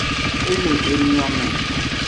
E le emiome.